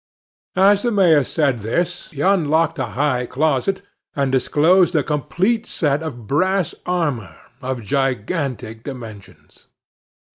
As the Mayor said this, he unlocked a high closet, and disclosed a complete suit of brass armour, of gigantic dimensions.